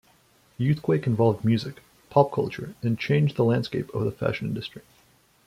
Youthquake involved music, pop culture and changed the landscape of the fashion industry.